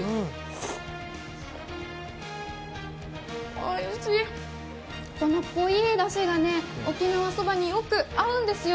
おいしい、この濃いだしが沖縄そばによく合うんですよ。